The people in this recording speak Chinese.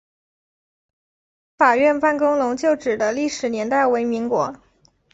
广西高等法院办公楼旧址的历史年代为民国。